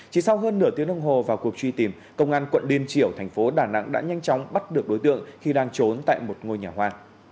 chỉ sau hơn nửa tiếng đồng hồ vào cuộc truy tìm công an quận liên triểu thành phố đà nẵng đã nhanh chóng bắt được đối tượng khi đang trốn tại một ngôi nhà hoa